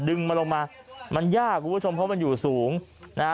ดึงมันลงมามันยากคุณผู้ชมเพราะมันอยู่สูงนะฮะ